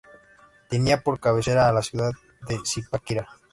Tenía por cabecera a la ciudad de Zipaquirá.